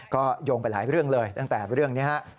ก็โยงไปหลายเรื่องเลยตั้งแต่เรื่องนี้ฮะ